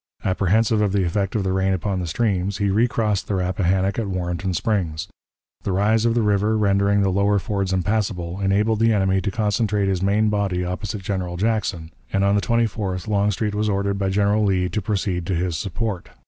Apprehensive of the effect of the rain upon the streams, he recrossed the Rappahannock at Warrenton Springs. The rise of the river, rendering the lower fords impassable, enabled the enemy to concentrate his main body opposite General Jackson, and on the 24th Longstreet was ordered by General Lee to proceed to his support.